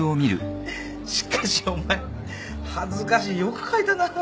しかしお前恥ずかしいよく書いたな。